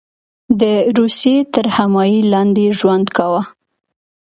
د روسیې تر حمایې لاندې ژوند کاوه.